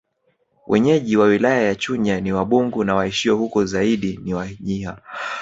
Wenyeji wa wilaya ya Chunya ni Wabungu na waishio huko zaidi ni Wanyiha